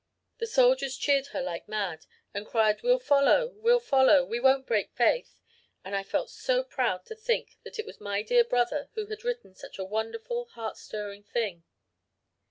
The soldiers cheered her like mad and cried 'We'll follow we'll follow we won't break faith,' and I felt so proud to think that it was my dear brother who had written such a wonderful, heart stirring thing.